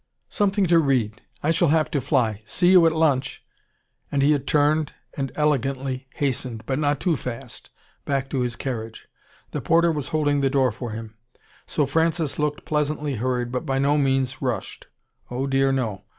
"Something to read I shall have to FLY See you at lunch," and he had turned and elegantly hastened, but not too fast, back to his carriage. The porter was holding the door for him. So Francis looked pleasantly hurried, but by no means rushed. Oh, dear, no.